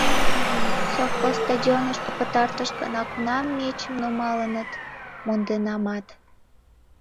— Совхоз стадионышто пытартыш гана кунам мечым нумалыныт, монденамат.